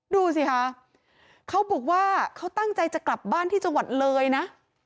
ดูสิคะเขาบอกว่าเขาตั้งใจจะกลับบ้านที่จังหวัดเลยนะ